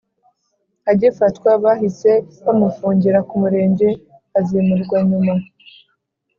Agifatwa bahise bamufungira ku murenge azimurwa nyuma